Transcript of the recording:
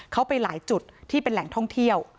เขาไปหลายจุดที่เป็นแหล่งท่องเที่ยว